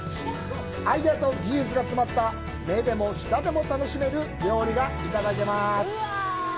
アイデアと技術が詰まった目でも舌でも楽しめる料理がいただけます。